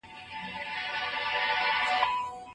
دا حالت زه اندېښمن کړم.